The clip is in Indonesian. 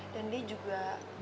dan dia juga